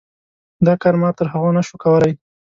دا کار ما تر هغه نه شو کولی.